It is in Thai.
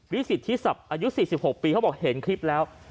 สิทธิศัพท์อายุ๔๖ปีเขาบอกเห็นคลิปแล้ว